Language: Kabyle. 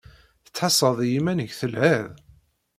Tettḥassaḍ i yiman-ik telhiḍ?